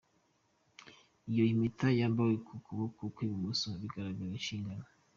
Iyo Impeta yambawe ku kuboko kw’i Bumoso bigaragaza inshingano.